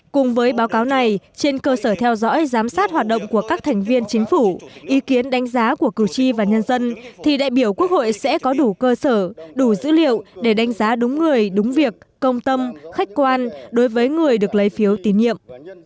cùng với báo cáo này trên cơ sở theo dõi giám sát hoạt động của các thành viên chính phủ ý kiến đánh giá của cử tri và nhân dân thì đại biểu quốc hội sẽ có đủ cơ sở đủ dữ liệu để đánh giá đúng người đúng việc công tâm khách quan đối với người được lấy phiếu tín nhiệm